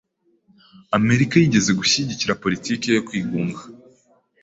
Amerika yigeze gushyigikira politiki yo kwigunga.